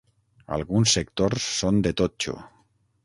Alguns sectors són de totxo.